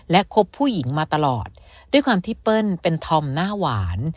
และคบผู้หญิงมาตลอดด้วยความที่เปิ้ลเป็นธอมหน้าหวาน